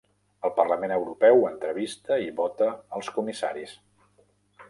El Parlament Europeu entrevista i vota als comissaris.